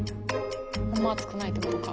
あんま熱くないってことか。